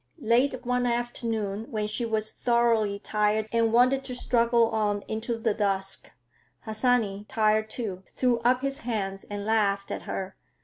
Late one afternoon, when she was thoroughly tired and wanted to struggle on into the dusk, Harsanyi, tired too, threw up his hands and laughed at her.